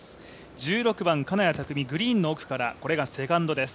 １６番、金谷拓実グリーンの奥から、これがセカンドです。